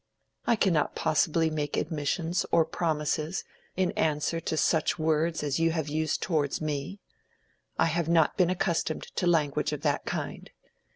"I cannot possibly make admissions or promises in answer to such words as you have used towards me. I have not been accustomed to language of that kind.